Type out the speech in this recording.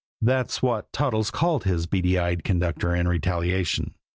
That was what Toddles called his beady eyed conductor in retaliation.